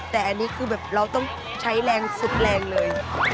แต่อันนี้เราต้องใช้แรงซึดแรงเลย